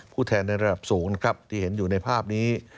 แทนในระดับสูงนะครับที่เห็นอยู่ในภาพนี้